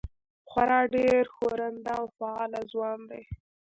خورا ډېر ښورنده او فعال ځوان دی.